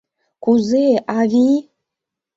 Кузе, авий?!